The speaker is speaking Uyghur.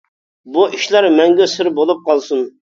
بۇ ئىشلار مەڭگۈ سىر بولۇپ قالسۇن!